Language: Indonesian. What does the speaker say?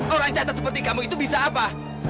orang catat seperti kamu itu bisa apa